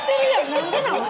何でなん？